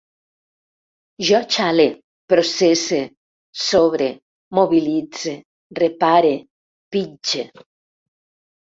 Jo xale, processe, sobre, mobilitze, repare, pitge